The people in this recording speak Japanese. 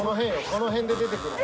この辺で出てくる。